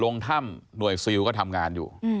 ลงถ้ำหน่วยซิลก็ทำงานอยู่